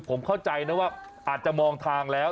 ผมเข้าใจนะว่าอาจจะมองทางแล้ว